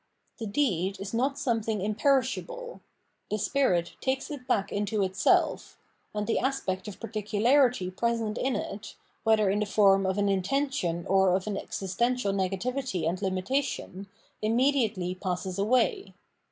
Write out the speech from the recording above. The deed is not something imperish able ; the spirit takes it back into itself ; and the aspect of particularity present in it, whether in the form of an intention or of an existential negativity and limitation, immediately passes away.